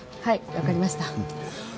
分かりました。